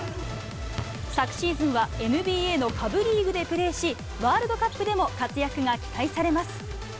昨シーズンはＮＢＡの下部リーグでプレーし、ワールドカップでも活躍が期待されます。